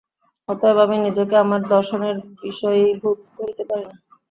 অতএব আমি নিজেকে আমার দর্শনের বিষয়ীভূত করিতে পারি না।